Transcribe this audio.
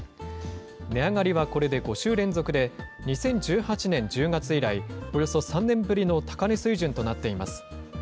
値上がりはこれで５週連続で、２０１８年１０月以来、およそ３年ぶりの高値水準となっています。